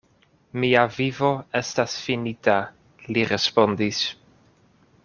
Mia vivo estas finita, li respondis.